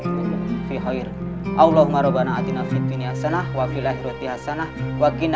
terima kasih pak